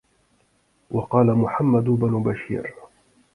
وَقَالَ مُحَمَّدُ بْنُ بَشِيرٍ